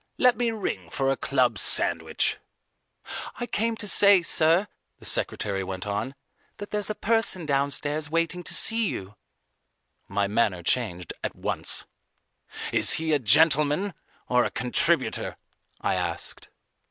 Let me ring for a club sandwich." "I came to say, sir," the secretary went on, "that there's a person downstairs waiting to see you." My manner changed at once. "Is he a gentleman or a contributor?" I asked.